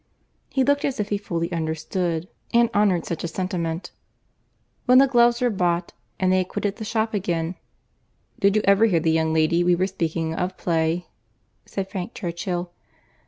He looked as if he fully understood and honoured such a sentiment. When the gloves were bought, and they had quitted the shop again, "Did you ever hear the young lady we were speaking of, play?" said Frank Churchill.